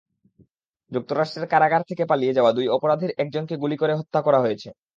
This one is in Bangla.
যুক্তরাষ্ট্রের কারাগার থেকে পালিয়ে যাওয়া দুই অপরাধীর একজনকে গুলি করে হত্যা করা হয়েছে।